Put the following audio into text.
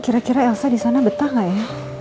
kira kira elsa disana betah gak ya